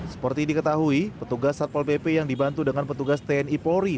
seperti diketahui petugas satpol pp yang dibantu dengan petugas tni polri